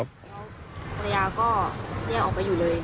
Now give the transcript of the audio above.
แล้วภรรยาก็เรียกออกไปอยู่เลย